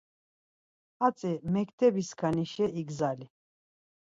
Hatzi mektebiskanişe igzali.